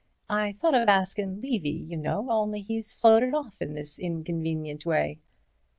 I thought of askin' Levy, y'know, only he's floated off in this inconvenient way."